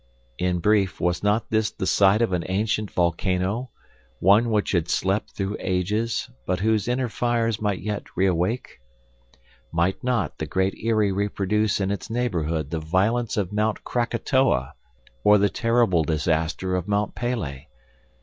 In brief was not this the site of an ancient volcano, one which had slept through ages, but whose inner fires might yet reawake? Might not the Great Eyrie reproduce in its neighborhood the violence of Mount Krakatoa or the terrible disaster of Mont Pelee?